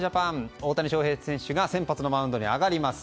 大谷翔平選手が先発のマウンドに上がります。